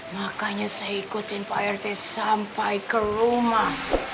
makanya saya ikutin pak rt sampai ke rumah